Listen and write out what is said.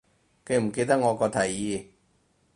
記唔記得我個提議